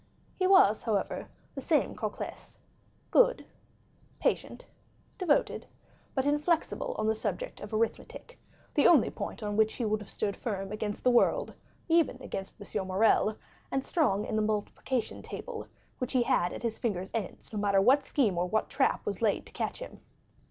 He was, however, the same Cocles, good, patient, devoted, but inflexible on the subject of arithmetic, the only point on which he would have stood firm against the world, even against M. Morrel; and strong in the multiplication table, which he had at his fingers' ends, no matter what scheme or what trap was laid to catch him.